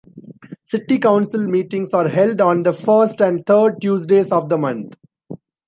City Council meetings are held on the first and third Tuesdays of the month.